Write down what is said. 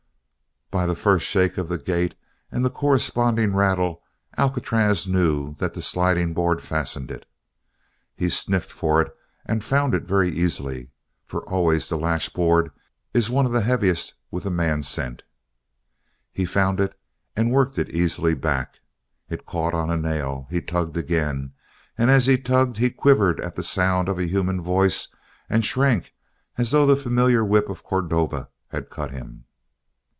By the first shake of the gate and the corresponding rattle Alcatraz knew that the sliding board fastened it. He sniffed for it and found it very easily, for always the latch board is the one heaviest with the man scent. He found it and worked it easily back. It caught on a nail. He tugged again, and as he tugged he quivered at the sound of a human voice and shrank as though the familiar whip of Cordova had cut him.